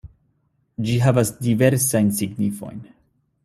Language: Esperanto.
Ĝi havas diversajn signifojn.